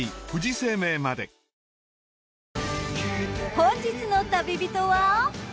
本日の旅人は。